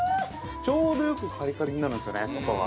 ◆ちょうどよくカリカリになるんですよね、外が。